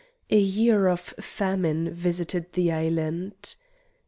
A year of famine visited the island.